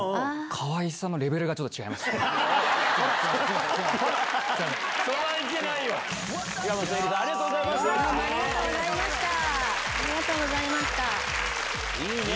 かわいさのレベルがちょっと違いましたね。